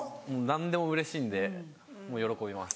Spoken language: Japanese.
何でもうれしいんでもう喜びます。